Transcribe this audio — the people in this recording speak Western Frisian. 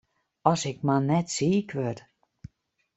As ik mar net siik wurd!